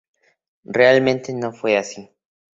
Realmente no fue así".